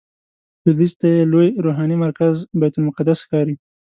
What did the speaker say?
لویدیځ ته یې لوی روحاني مرکز بیت المقدس ښکاري.